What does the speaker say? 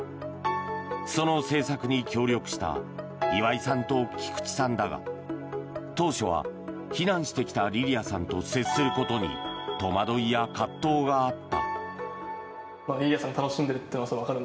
その制作に協力した岩井さんと菊地さんだが当初は、避難してきたリリアさんと接することに戸惑いや葛藤があった。